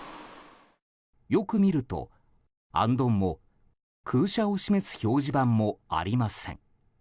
よく見ると、あんどんも空車を示す表示板もありません。